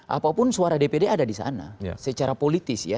apapun suara dpd ada di sana secara politis ya